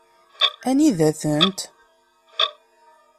Anida-tent?